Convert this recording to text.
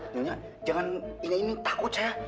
nyunya jangan ini ini takut saya